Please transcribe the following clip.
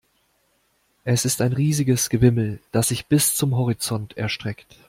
Es ist ein riesiges Gewimmel, das sich bis zum Horizont erstreckt.